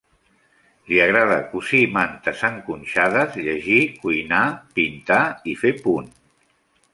Li agrada cosir mantes enconxades, llegir, cuinar, pintar i fer punt.